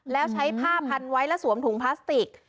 แล้วใช้ผ้าพันไว้และสวมถุงพลาสติก